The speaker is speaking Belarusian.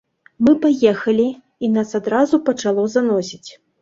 Мы паехалі, і нас адразу пачало заносіць.